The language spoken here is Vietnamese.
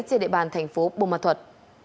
trên địa bàn thành phố bông môn thuật